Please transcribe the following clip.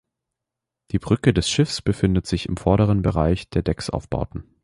Die Brücke des Schiffs befindet sich im vorderen Bereich der Decksaufbauten.